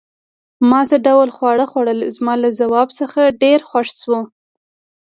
ما څه ډول خواړه خوړل؟ زما له ځواب څخه ډېر خوښ شو.